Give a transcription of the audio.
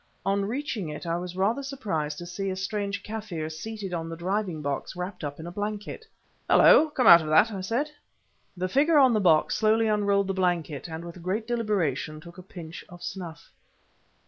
On reaching it, I was rather surprised to see a strange Kaffir seated on the driving box wrapped up in a blanket. "Hullo! come out of that," I said. The figure on the box slowly unrolled the blanket, and with great deliberation took a pinch of snuff.